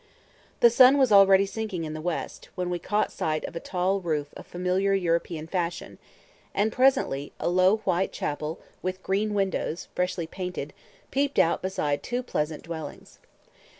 The sun was already sinking in the west, when we caught sight of a tall roof of familiar European fashion; and presently a lowly white chapel with green windows, freshly painted, peeped out beside two pleasant dwellings.